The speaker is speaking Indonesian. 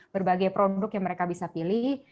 berbagai produk yang mereka bisa pilih